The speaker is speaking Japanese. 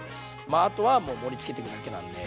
まああとはもう盛りつけていくだけなんで。